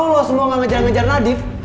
eh kalo lo semua gak ngejar ngejar nadif